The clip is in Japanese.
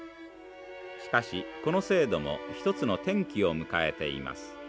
しかしこの制度も一つの転機を迎えています。